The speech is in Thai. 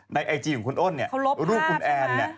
ไอจีของคุณอ้นเนี่ยรูปคุณแอนเนี่ย